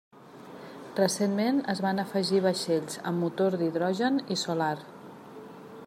Recentment es van afegir vaixells amb motor d'hidrogen i solar.